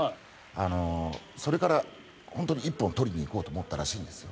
それから本当に一本を取りに行こうと思ったらしいんですよ。